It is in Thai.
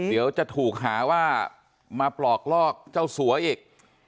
เดี๋ยวจะถูกหาว่ามาปลอกลอกเจ้าสัวอีก